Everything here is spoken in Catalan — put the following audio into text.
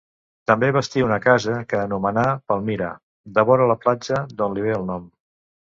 També bastí una casa, que anomenà Palmira, devora la platja, d'on li ve el nom.